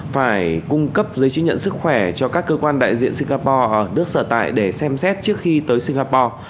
phải cung cấp giấy chứng nhận sức khỏe cho các cơ quan đại diện singapore ở nước sở tại để xem xét trước khi tới singapore